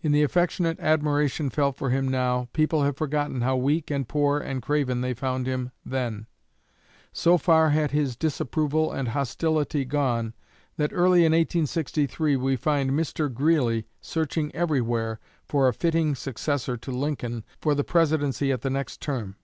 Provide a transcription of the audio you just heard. In the affectionate admiration felt for him now, people have forgotten how weak and poor and craven they found him then. So far had this disapproval and hostility gone, that early in 1863 we find Mr. Greeley searching everywhere for a fitting successor to Lincoln for the Presidency at the next term.